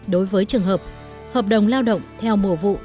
đối với trường hợp hợp đồng lao động theo mùa vụ